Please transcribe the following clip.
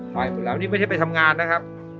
ไปหมดแล้วนี่ไม่ได้ไปทำงานนะครับ